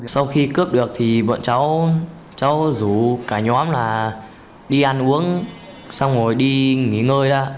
sau khi cướp được thì bọn cháu cháu rủ cả nhóm là đi ăn uống xong rồi đi nghỉ ngơi ra